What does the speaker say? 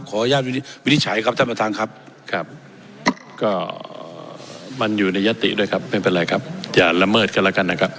ก็มันอยู่ในยัตติด้วยครับไม่เป็นไรครับอย่าระเมิดกันแล้วกันนะครับ